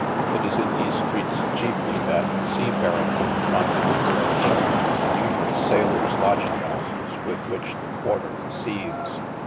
It is in these streets, chiefly' that seafaring men find a temporary shelter in the numerous sailors, lodging houses with which, the, quarter seethes.